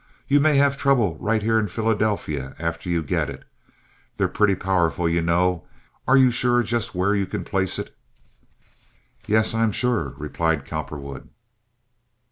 You may have trouble right here in Philadelphia after you get it—they're pretty powerful, you know. Are you sure just where you can place it?" "Yes, I'm sure," replied Cowperwood.